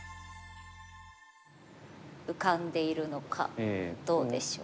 浮かんでいるのかどうでしょう。